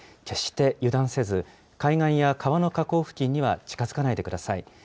決して油断せず、海岸や川の河口付近には近づかないでください。